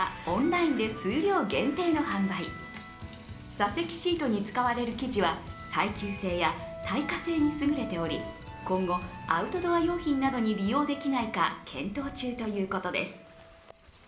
座席シートに使われる生地は耐久性や耐火性に優れており今後アウトドア用品などに利用できないか検討中ということです。